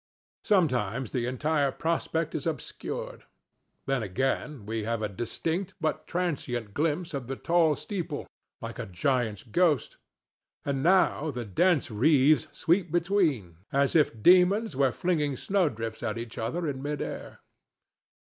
Sometimes the entire prospect is obscured; then, again, we have a distinct but transient glimpse of the tall steeple, like a giant's ghost; and now the dense wreaths sweep between, as if demons were flinging snowdrifts at each other in mid air.